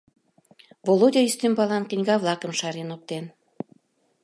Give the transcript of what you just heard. Володя ӱстембалан книга-влакым шарен оптен.